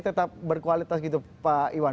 tetap berkualitas gitu pak iwan